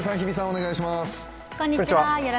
お願いします。